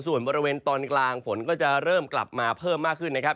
ส่วนบริเวณตอนกลางฝนก็จะเริ่มกลับมาเพิ่มมากขึ้นนะครับ